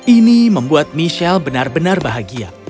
ini membuat michelle benar benar bahagia